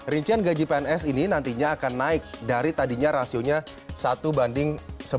rincian gaji pns ini nantinya akan naik dari tadinya rasionya satu banding sepuluh